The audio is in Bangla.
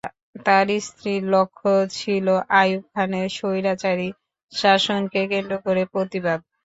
তাঁর স্থির লক্ষ্য ছিল আইয়ুব খানের স্বৈরাচারী শাসনকে কেন্দ্র করে প্রতিবাদ।